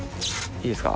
いいですか？